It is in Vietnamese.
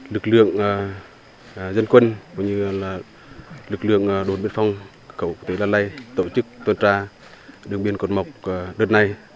lực lượng dân quân lực lượng đốn biên phòng cửa khẩu quốc tế la lai tổ chức tuần tra đường biên cột mốc đất này